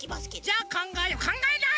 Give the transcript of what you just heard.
じゃあかんがえかんがえない！